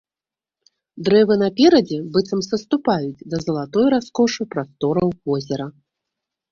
Дрэвы наперадзе быццам саступаюць да залатой раскошы прастораў возера.